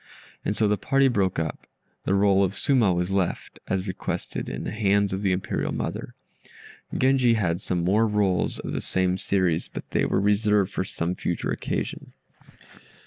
And so the party broke up. The roll of "Suma" was left, as was requested, in the hands of the Imperial mother. Genji had some more rolls of the same series, but they were reserved for some future occasion.